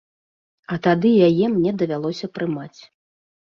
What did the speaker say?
А тады яе мне давялося прымаць.